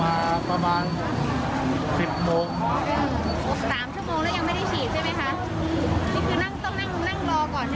นักสายคลานในนี่กี่โมง